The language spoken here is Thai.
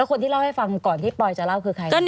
ก็เนี่ยสิบเดียว